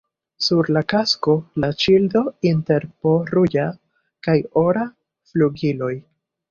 Sur la kasko la ŝildo inter po ruĝa kaj ora flugiloj.